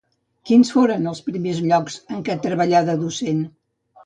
Quins foren els primers llocs en què treballà de docent?